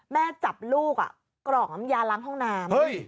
แม่จับลูกกรอกยานล้ำห้องน้ำ